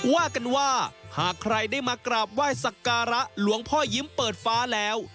ว่ากันว่าหากใครได้มากราบไหว้สักการะหลวงพ่อยิ้มเปิดฟ้าแล้ว